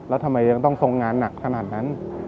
แล้วทำไมยังต้องทรงงานหนักขนาดนั้น